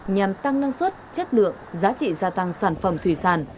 nhằm tăng năng suất chất lượng giá trị gia tăng sản phẩm thủy sản